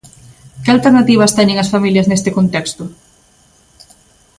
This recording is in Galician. ¿Que alternativas teñen as familias neste contexto?